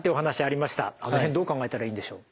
あの辺どう考えたらいいんでしょう？